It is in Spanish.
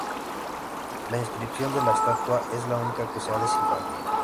La inscripción de la estatua es la única que se ha descifrado.